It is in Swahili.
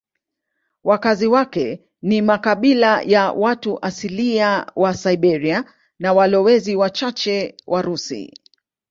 Wakazi wake ni makabila ya watu asilia wa Siberia na walowezi wachache Warusi.